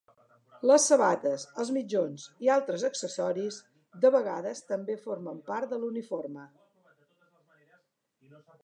Les sabates, els mitjons, i altres accessoris, de vegades també formen part de l'uniforme.